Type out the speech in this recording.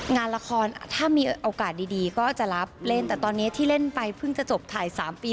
งานละครถ้ามีโอกาสดีก็จะรับเล่นแต่ตอนนี้ที่เล่นไปเพิ่งจะจบถ่าย๓ปี